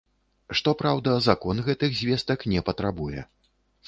Што праўда, закон гэтых звестак не патрабуе.